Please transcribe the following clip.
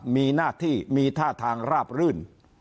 มีหน้าที่มีท่าทางราบรื่น